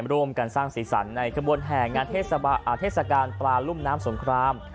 ร่วมกันสร้างสีสันในขบวนแห่งานเทศกาลปลารุ่มน้ำสงคราม